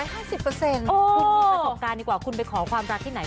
คุณมีประสบการณ์ดีกว่าคุณไปขอความรักที่ไหน